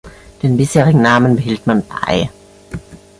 Den bisherigen Namen behielt man bei.